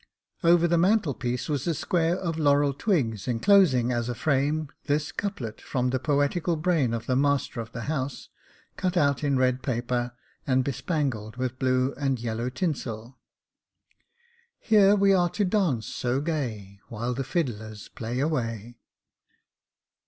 Over the mantel piece was a square of laurel twigs, enclosing as a frame, this couplet, from the poetical brain of the master of the house, cut out in red paper, and bespangled with blue and yellow tinsel —*' Here we are to dance so gay, While the fiddlers play away."